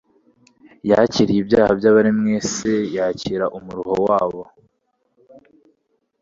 Yikoreye ibyaha by'abari mu isi, yakira umumuuo wabo,